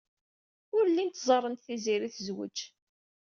Ur llint ẓrant Tiziri tezwej.